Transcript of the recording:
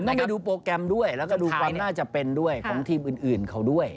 ต้องไปดูโปรแกรมด้วยแล้วก็ดูความน่าจะเป็นด้วยของทีมอื่นเขาด้วย